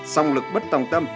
xong lực bất tòng tâm